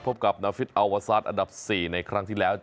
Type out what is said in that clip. พบกับนาฟิตอัลวาซาสอันดับ๔ในครั้งที่แล้ว